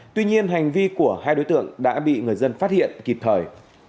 tuy nhiên hành vi của hai đối tượng đã bị người dân phát hiện kịp thời